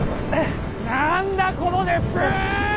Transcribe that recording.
何だこの熱風は！